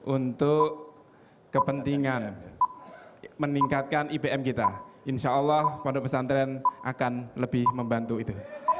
untuk kepentingan meningkatkan ipm kita insya allah pondok pesantren akan lebih membantu itu